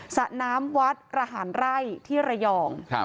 สระน้ำวัดระหารไร่ที่ระยอง